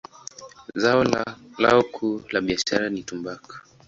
Zao lao kuu la biashara ni tumbaku.